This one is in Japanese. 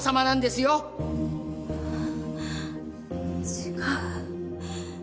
違う。